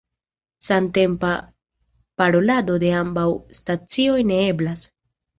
Samtempa parolado de ambaŭ stacioj ne eblas.